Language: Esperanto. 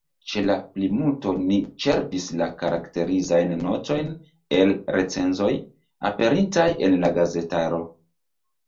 Ĉe la plimulto ni ĉerpis la karakterizajn notojn el recenzoj, aperintaj en la gazetaro.